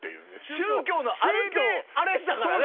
宗教のあれであれしたからね。